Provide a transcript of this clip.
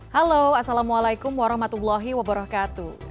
halo assalamualaikum warahmatullahi wabarakatuh